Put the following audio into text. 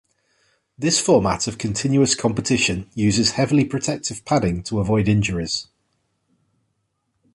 This format of continuous competition uses heavy protective padding to avoid injuries.